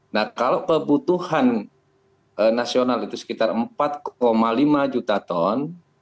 nah kalau kebutuhan nasional itu sekitar empat lima juta ton